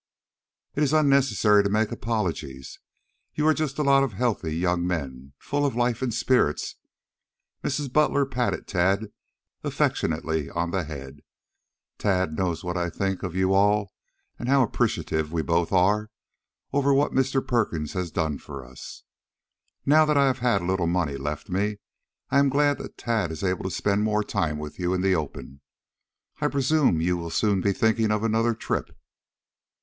"It is unnecessary to make apologies. You are just a lot of healthy young men, full of life and spirits." Mrs. Butler patted Tad affectionately on the head. "Tad knows what I think of you all and how appreciative we both are over what Mr. Perkins has done for us. Now that I have had a little money left me, I am glad that Tad is able to spend more time with you in the open. I presume you will soon be thinking of another trip."